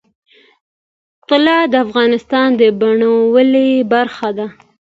طلا د افغانستان د بڼوالۍ برخه ده.